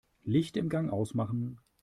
Licht im Gang ausmachen.